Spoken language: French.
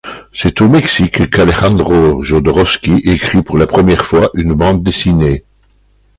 C'est au Mexique qu'Alejandro Jodorowsky écrit pour la première fois une bande dessinée.